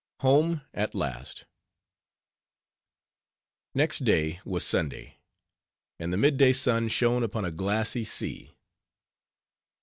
HOME AT LAST Next day was Sunday; and the mid day sun shone upon a glassy sea.